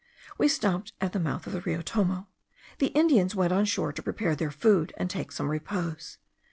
We stopped at the mouth of the Rio Tomo. The Indians went on shore, to prepare their food, and take some repose.